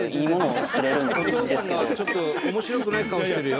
お父さんがちょっと面白くない顔してるよ。